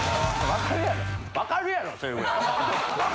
わかるやろ。